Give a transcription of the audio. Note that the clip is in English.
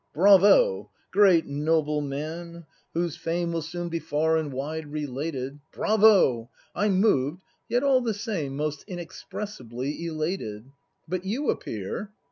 Bravo! — great, noble man, whose fame 228 BRAND [act v Will soon be far and wide related. Bravo! — I'm moved, yet all the same Most inexpressibly elated! But you appear